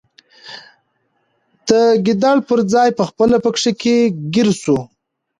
د ګیدړ پر ځای پخپله پکښي ګیر سو